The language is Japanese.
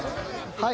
はい。